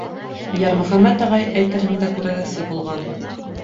Йәрмөхәмәт ағай, әйтерһең дә, күрәҙәсе булған.